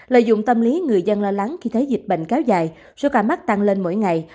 lợi dụng tâm lý người dân lo lắng khi thấy dịch bệnh kéo dài số ca mắc tăng lên mỗi ngày